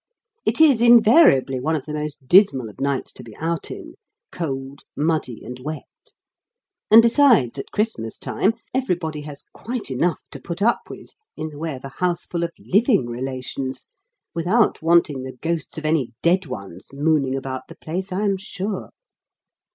It is invariably one of the most dismal of nights to be out in cold, muddy, and wet. And besides, at Christmas time, everybody has quite enough to put up with in the way of a houseful of living relations, without wanting the ghosts of any dead ones mooning about the place, I am sure.